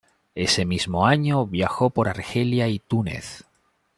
Ese mismo año viajó por Argelia y Túnez.